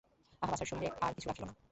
আহা বাছার শরীরে আর কিছু রাখিল না।